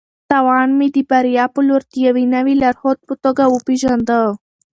تاوان مې د بریا په لور د یوې نوې لارښود په توګه وپېژانده.